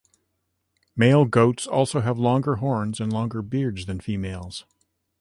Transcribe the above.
Male goats also have longer horns and longer beards than females.